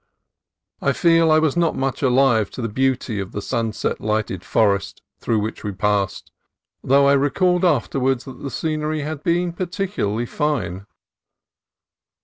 I fear I was not much alive to the beauty of the sunset lighted forest through which we passed, though I recalled afterwards that the scenery had been particularly fine.